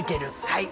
はい。